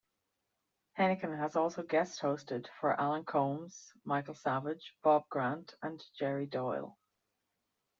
Henican has also guest-hosted for Alan Colmes, Michael Savage, Bob Grant and Jerry Doyle.